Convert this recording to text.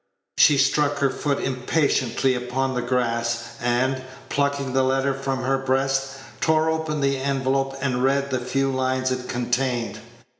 She struck her foot impatiently upon the grass, and, plucking the letter from her breast, tore open the Page 84 envelope, and read the few lines it contained.